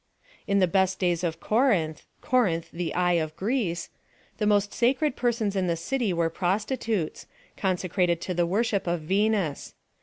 In the best days of Corinth —" Corinth, the ey 3 of Greece" — the most sacred persons in the city were prostitutes, consecrated to the worship of Venus.